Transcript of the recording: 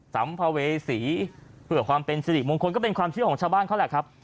สัมภเวษีเพื่อความเป็นสิริมงคลก็เป็นความเชื่อของชาวบ้านเขาแหละครับ